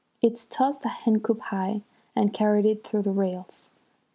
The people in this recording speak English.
It tossed a hen coop high, and carried it through the rails.